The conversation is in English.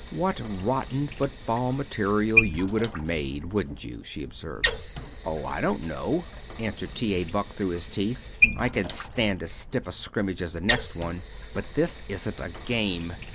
"What rotten football material you would have made, wouldn't you?" she observed. "Oh, I don't know," answered T. A. Buck, through his teeth. "I can stand as stiff a scrimmage as the next one. But this isn't a game.